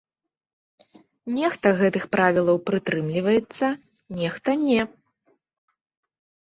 Нехта гэтых правілаў прытрымліваецца, нехта не.